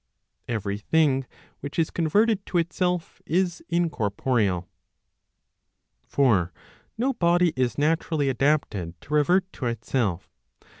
Every thing which is converted to itself is incorporeal. For no body is naturally adapted to revert to itself.